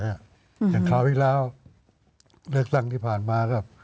อย่างคราวที่แล้วเลือกตั้งที่ผ่านมาก็